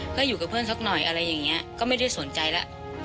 เพื่ออยู่กับเพื่อนสักหน่อยอะไรอย่างนี้ก็ไม่ได้สนใจแล้ว